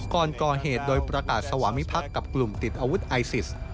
ก่อนก่อเหตุโดยประกาศสวามิพักษ์กับกลุ่มติดอาวุธไอซิส